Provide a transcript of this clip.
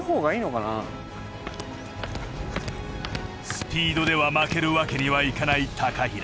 スピードでは負けるわけにはいかない平。